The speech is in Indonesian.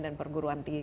dan perguruan tinggi